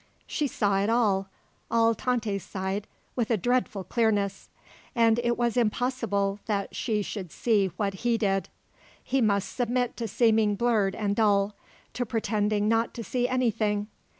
She saw it all, all Tante's side, with a dreadful clearness. And it was impossible that she should see what he did. He must submit to seeming blurred and dull, to pretending not to see anything.